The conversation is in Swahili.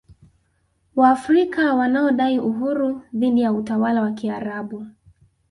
Waafrika wanaodai uhuru dhidi ya utawala wa Kiarabu